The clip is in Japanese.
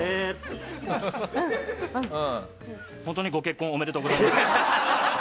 本当にご結婚おめでとうございます。